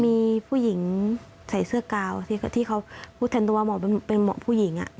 มีผู้หญิงใส่เสื้อกาวที่เขาพูดแทนตัวหมอเป็นหมอผู้หญิง